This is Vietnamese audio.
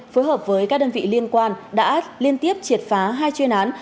phối hợp với các đơn vị liên quan đã liên tiếp triệt phá hai chuyên án